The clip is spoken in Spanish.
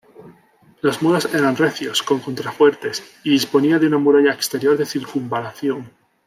Los muros eran recios, con contrafuertes, y disponía de una muralla exterior de circunvalación.